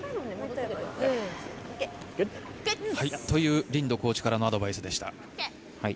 というリンドコーチからのアドバイスでした。